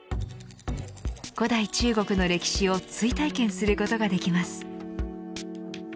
古代中国の歴史を追体験することができます。